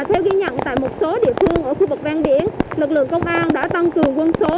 theo ghi nhận tại một số địa phương ở khu vực ven biển lực lượng công an đã tăng cường quân số